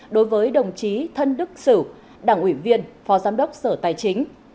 hai nghìn hai mươi hai nghìn hai mươi năm đối với đồng chí thân đức sử đảng ủy viên phó giám đốc sở tài chính